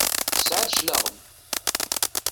Tesɛiḍ cclaɣem!